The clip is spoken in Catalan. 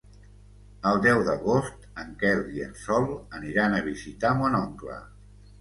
El deu d'agost en Quel i en Sol aniran a visitar mon oncle.